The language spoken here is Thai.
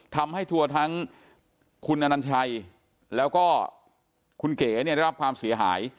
ทัวร์ทั้งคุณอนัญชัยแล้วก็คุณเก๋เนี่ยได้รับความเสียหาย